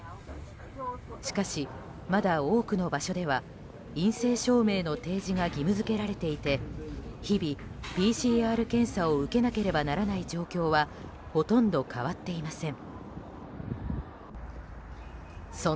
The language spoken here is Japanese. しかし、まだ多くの場所では陰性証明の提示が義務付けられていて日々、ＰＣＲ検査を受けなければならない状況はほとんど変わっていません。